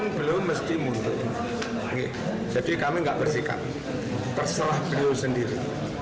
kami tidak mundur pun beliau mesti mundur jadi kami tidak bersikap terserah beliau sendiri